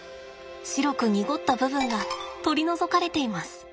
白く濁った部分が取り除かれています。